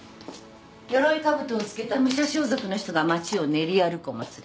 よろいかぶとを着けた武者装束の人が町を練り歩くお祭り。